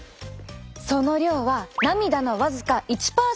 その量は涙の僅か１％未満。